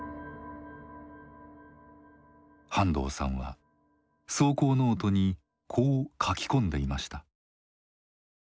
半藤さんは草稿ノートにこう書き込んでいました。